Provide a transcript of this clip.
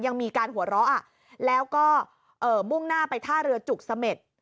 ยังมีการหัวเราะแล้วก็มุ่งหน้าไปท่าเรือจุกเสม็ด